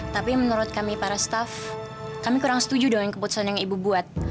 tapi menurut kami para staff kami kurang setuju dengan keputusan yang ibu buat